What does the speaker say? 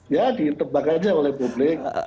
ya ditebak aja oleh publik